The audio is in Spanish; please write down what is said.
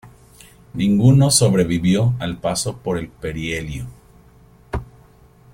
Ninguno sobrevivió al paso por el perihelio.